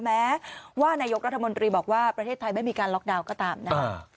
แม้ว่านายกรัฐมนตรีบอกว่าประเทศไทยไม่มีการล็อกดาวน์ก็ตามนะครับ